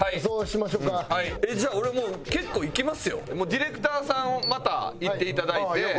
ディレクターさんまた行っていただいて。